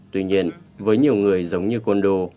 tuy nhiên với nhiều người giống như kondo